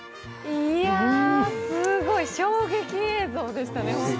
いや、すごい衝撃映像でしたね。